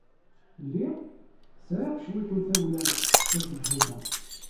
Lliɣ sɛiɣ cwiṭ n tawla taṣebḥit-a.